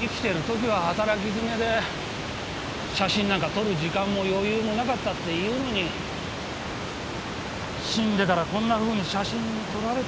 生きてる時は働きづめで写真なんか撮る時間も余裕もなかったっていうのに死んでからこんなふうに写真に撮られて。